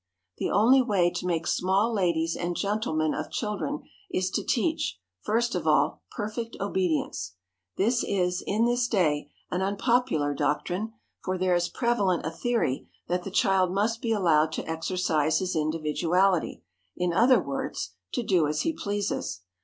The only way to make small ladies and gentlemen of children is to teach, first of all, perfect obedience. This is, in this day, an unpopular doctrine, for there is prevalent a theory that the child must be allowed to exercise his individuality,—in other words, to do as he pleases.